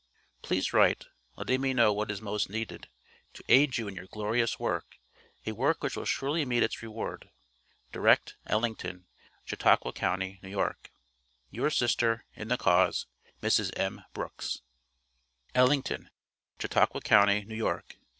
Please write, letting me know what most is needed to aid you in your glorious work, a work which will surely meet its reward. Direct, Ellington, Chautauqua county, N.Y. Your sister, in the cause, Mrs. M. BROOKS. ELLINGTON, Chautauqua Co., N.Y., Dec.